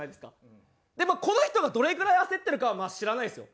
この人がどれぐらい焦ってるかは知らないですよ。